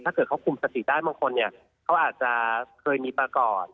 ถ้าเกิดเขาคุมสติได้บางคนเนี่ยเขาอาจจะเคยมีมาก่อน